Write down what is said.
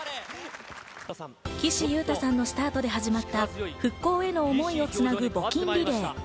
岸優太さんのスタートで始まった復興への思いをつなぐ募金リレー。